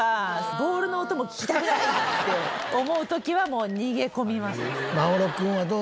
ボールの音も聞きたくないって思う時はもう逃げ込みますね。